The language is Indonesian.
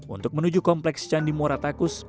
untuk menuju kompleks candi muaratakus